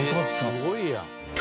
すごいやん。